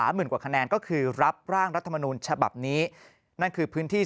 หมื่นกว่าคะแนนก็คือรับร่างรัฐมนูลฉบับนี้นั่นคือพื้นที่